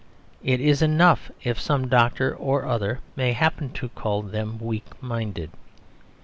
It is enough if some doctor or other may happen to call them weak minded.